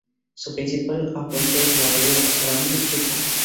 Su principal afluente es el arroyo Sarandí Chico.